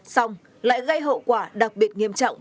xong lại gây hậu quả đặc biệt nghiêm trọng